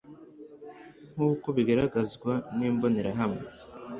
nk uko bigaragazwa n imbonerahamwe